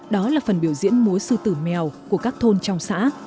đó là phần biểu diễn múa sư tử mèo của các thôn trong xã